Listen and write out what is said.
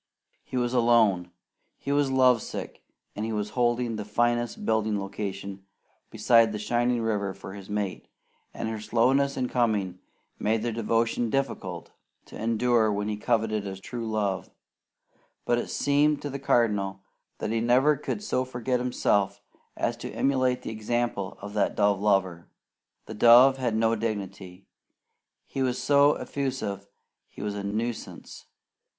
He was alone, he was love sick, and he was holding the finest building location beside the shining river for his mate, and her slowness in coming made their devotion difficult to endure when he coveted a true love; but it seemed to the Cardinal that he never could so forget himself as to emulate the example of that dove lover. The dove had no dignity; he was so effusive he was a nuisance.